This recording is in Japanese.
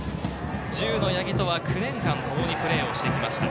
八木とは９年間ともにプレーしてきました。